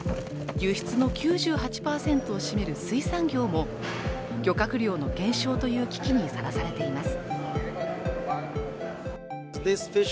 輸出の９８％を占める水産業も漁獲量の減少という危機にさらされています。